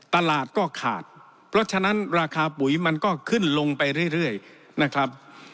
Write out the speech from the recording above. ตลาดก็ขาดเพราะฉะนั้นราคาปุ๋ยมันก็ขึ้นลงไปเรื่อยนะครับ